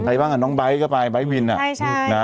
ใครบ้างอ่ะน้องใบ๊ก็ไปใบ๊วิน